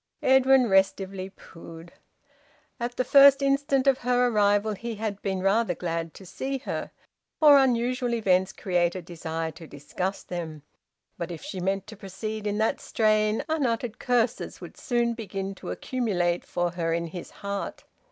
Edwin restively poohed. At the first instant of her arrival he had been rather glad to see her, for unusual events create a desire to discuss them; but if she meant to proceed in that strain unuttered curses would soon begin to accumulate for her in his heart.